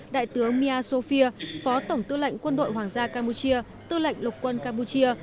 đại tướng mia sofia phó tổng tư lệnh quân đội hoàng gia campuchia tư lệnh lục quân campuchia